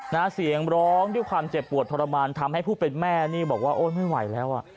นักศีลอย่างร้องด้วยความเจ็บปวดทรมานทำให้ผู้เป็นแม่บอกว่าไม่ไหวแล้ว